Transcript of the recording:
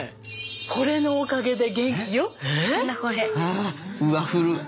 これのおかげで元気よ。